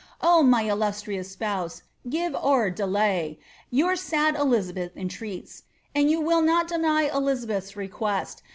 Oh ! my illustrious spouse, give o'er delay. Tour Md Elizabeth entreats— and you Will not deny Elizabeth's request.